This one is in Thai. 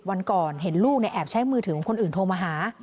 วันก่อนเห็นลูกแอบใช้มือถือของคนอื่นโทรมาหา